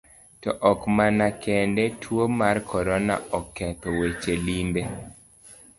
To ok mano kende, tuo mar korona oketho weche limbe.